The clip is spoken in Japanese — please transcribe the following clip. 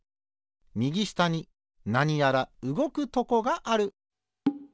みぎしたになにやらうごくとこがある。